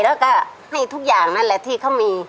แล้วก็ให้ทุกอย่างนั่นแหละที่เขามี